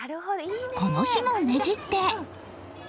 この日もねじって。